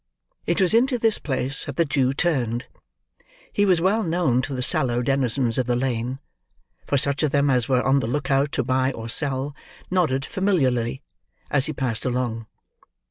It was into this place that the Jew turned. He was well known to the sallow denizens of the lane; for such of them as were on the look out to buy or sell, nodded, familiarly, as he passed along.